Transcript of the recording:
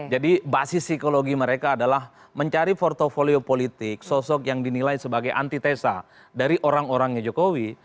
jadi basis psikologi mereka adalah mencari portfolio politik sosok yang dinilai sebagai anti tesa dari orang orangnya jokowi